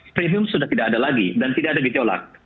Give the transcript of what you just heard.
premium sudah tidak ada lagi dan tidak ada gejolak